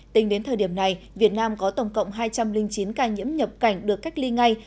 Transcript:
tính đến thời điểm này việt nam có tổng cộng hai trăm linh chín ca nhiễm nhập cảnh được cách ly ngay